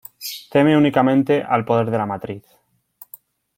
Teme únicamente al poder de la Matriz.